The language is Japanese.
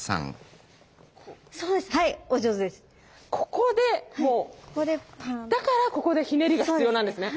ここでだからここでひねりが必要なんですね！